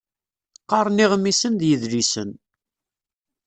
Qqaren iɣmisen d yidlisen.